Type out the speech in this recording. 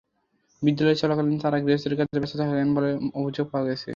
বিদ্যালয় চলাকালীন তাঁরা গৃহস্থালির কাজে ব্যস্ত থাকেন বলে অভিযোগ পাওয়া গেছে।